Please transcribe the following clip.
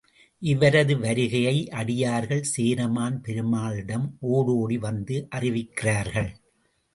இவரது வருகையை, அடியார்கள் சேரமான் பெருமாளிடம் ஓடோடி வந்து அறிவிக்கிறார்கள்.